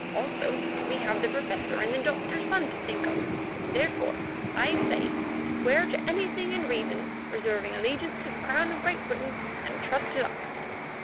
Also, we have the Professor and the Doctor's son to think of. Therefore I say: Swear to anything in reason, reserving allegiance to the Crown of Great Britain, and trust to luck.